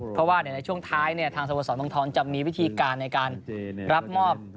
เพราะว่าในช่วงท้ายเนี่ยทางสภาษาบังทรจะมีวิธีการในการรับมอบ